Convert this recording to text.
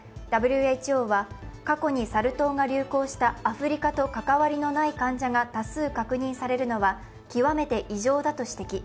ＷＨＯは過去にサル痘が流行したアフリカと関わりのない患者が多数確認されるのは極めて異常だと指摘。